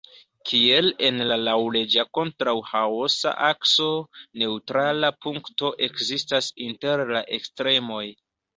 Kiel en la laŭleĝa-kontraŭ-ĥaosa akso, neŭtrala punkto ekzistas inter la ekstremoj.